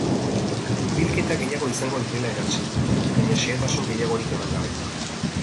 Hurbilketa gehiago izango direla erantsi du, baina xehetasun gehiagorik eman gabe.